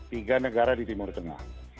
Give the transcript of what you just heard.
tiga negara di timur tengah